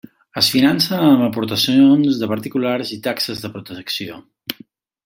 Es finança amb aportacions de particulars i taxes de protecció.